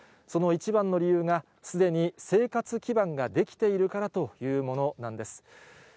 その一番の理由が、すでに生活基盤が出来ているからというものなんです。